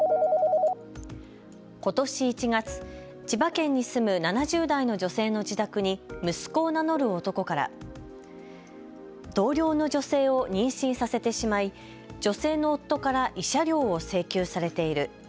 ことし１月、千葉県に住む７０代の女性の自宅に息子を名乗る男から同僚の女性を妊娠させてしまい女性の夫から慰謝料を請求されている。